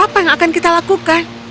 apa yang akan kita lakukan